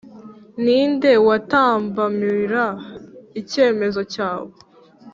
Ni nde watambamira icyemezo cyawe?